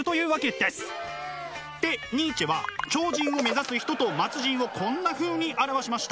でニーチェは超人を目指す人と末人をこんなふうに表しました。